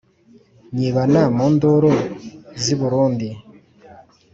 Nyibana mu nduru ziburundi